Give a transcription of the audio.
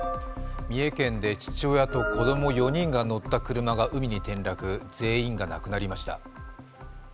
三重県で父親と子供４人が乗った車が転落、全員が亡くなりました。